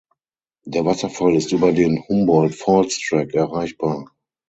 Der Wasserfall ist über den "Humboldt Falls Track" erreichbar.